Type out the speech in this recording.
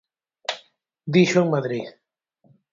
Dixo en Madrid.